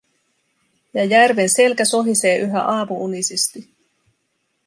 Ja järven selkä sohisee yhä aamu-unisesti.